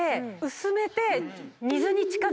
薄めて。